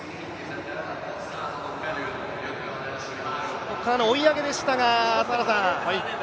そこからの追い上げでしたが。